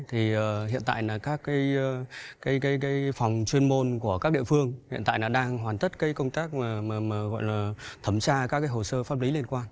hiện tại các phòng chuyên môn của các địa phương đang hoàn tất công tác thẩm tra các hồ sơ pháp lý liên quan